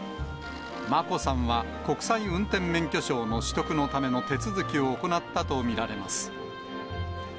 眞子さんは国際運転免許証の取得のための手続きを行ったと見られます。